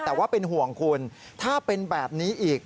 แต่ว่าเป็นห่วงคุณถ้าเป็นแบบนี้อีก